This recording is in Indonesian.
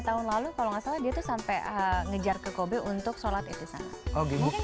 tahun lalu kalau nggak salah itu sampai ngejar ke kobe untuk sholat itu sangat mungkin karena